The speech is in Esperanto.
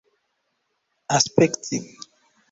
aspekti